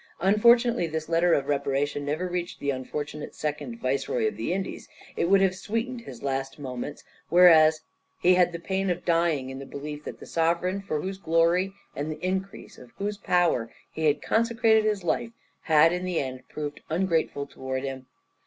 Unfortunately this letter of reparation never reached the unfortunate second Viceroy of the Indies; it would have sweetened his last moments, whereas he had the pain of dying in the belief that the sovereign for whose glory and the increase of whose power he had consecrated his life, had in the end proved ungrateful towards him.